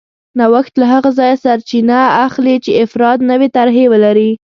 نوښت له هغه ځایه سرچینه اخلي چې افراد نوې طرحې ولري